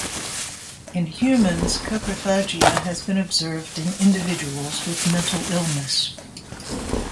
In humans, coprophagia has been observed in individuals with mental illness.